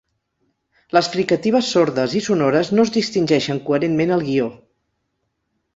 Les fricatives sordes i sonores no es distingeixen coherentment al guió.